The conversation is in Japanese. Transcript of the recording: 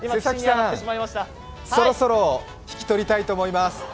そろそろ引き取りたいと思います。